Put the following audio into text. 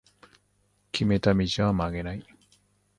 決めた道は曲げない